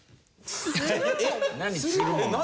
何？